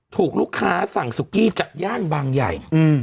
ถูกลูกค้าสั่งสุกี้จากย่านบางใหญ่